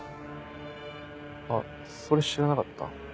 あっそれ知らなかった？